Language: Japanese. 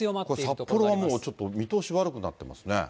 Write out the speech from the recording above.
札幌はちょっと見通し悪くなっていますね。